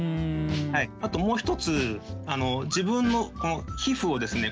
あともう一つ自分の皮膚をですね